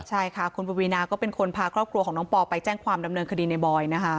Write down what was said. ใช่ค่ะคุณปวีนาก็เป็นคนพาครอบครัวของน้องปอไปแจ้งความดำเนินคดีในบอยนะคะ